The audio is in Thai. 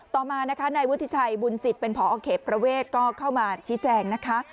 ต่อมานะคะนายวุฒิชัยบุญสิทธิ์เป็นผอเขตประเวทก็เข้ามาชี้แจงนะคะ